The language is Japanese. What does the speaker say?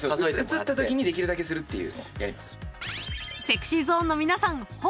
映ったときにできるだけするってやります。